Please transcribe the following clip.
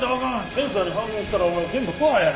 センサーに反応したらお前全部パーや。